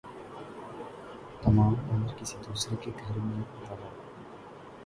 تمام عمر کسی دوسرے کے گھر میں رہا